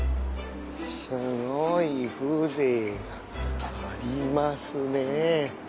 すごい風情がありますねぇ。